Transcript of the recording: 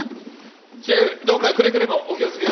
シェフどうかくれぐれもお気を付けください。